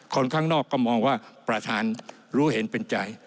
คนข้างนอกก็มองว่าประธานรู้เห็นเป็นใจ